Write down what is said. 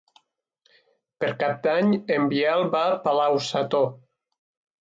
Per Cap d'Any en Biel va a Palau-sator.